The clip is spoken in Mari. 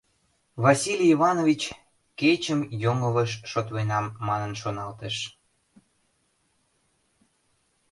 Василий Иванович, кечым йоҥылыш шотленам, манын шоналтыш.